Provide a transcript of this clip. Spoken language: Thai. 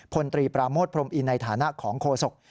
พลตรีปราโมทพรมอินในฐานะของโคศก